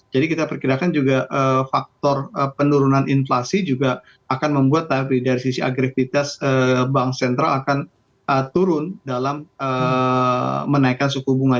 jadi kita perkirakan juga faktor penurunan inflasi juga akan membuat dari sisi agresivitas bank sentral akan turun dalam menaikkan suku bunganya